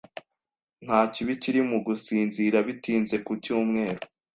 Nta kibi kiri mu gusinzira bitinze ku cyumweru.